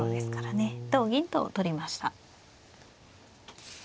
同銀と取りました。